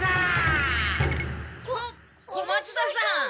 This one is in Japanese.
こ小松田さん！？